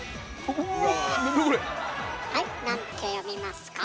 はいなんて読みますか？